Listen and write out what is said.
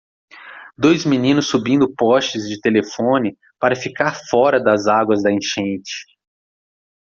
Dois meninos subindo postes de telefone para ficar fora das águas da enchente